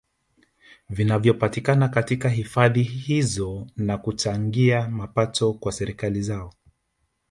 Vinavyopatikana katika hifadhi hizo na kuchangia mapato kwa serikali zao